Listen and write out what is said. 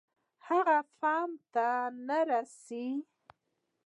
هغه فهم ته نه رسېږي.